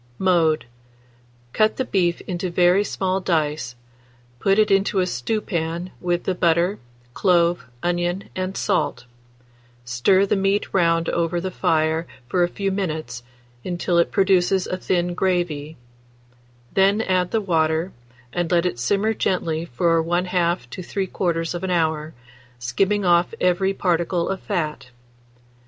Mode. Cut the beef into very small dice; put it into a stewpan with the butter, clove, onion, and salt; stir the meat round over the fire for a few minutes, until it produces a thin gravy; then add the water, and let it simmer gently from 1/2 to 3/4 hour, skimming off every particle of fat.